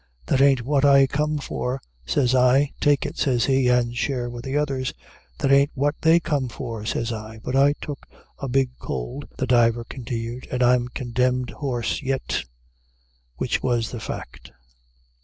'That a'n't what I come for,' says I. 'Take it,' says he, 'and share with the others.' 'That a'n't what they come for,' says I. But I took a big cold," the diver continued, "and I'm condemned hoarse yit," which was the fact.